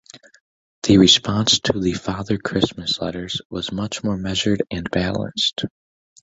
The response to "The Father Christmas Letters" was much more measured and balanced.